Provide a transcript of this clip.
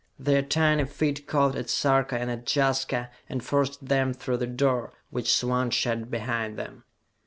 Their tiny feet caught at Sarka and at Jaska, and forced them through the door, which swung shut behind them.